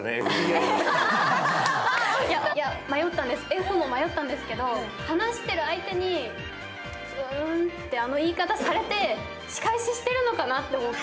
Ｆも迷ったんですけど、話してる相手に「ふん」とあの言い方されて、仕返ししているのかなと思って。